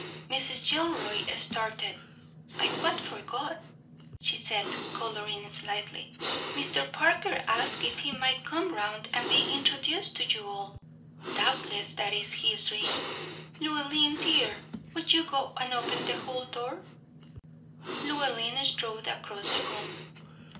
Mrs. Gilroy started. "I quite forgot," she said, coloring slightly. "Mr. Parker asked if he might come round and be introduced to you all. Doubtless that is his ring. Llewellyn, dear, will you go and open the hall door?" Llewellyn strode across the room.